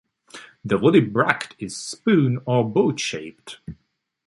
The woody bract is spoon or boat-shaped.